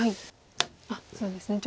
あっそうですね。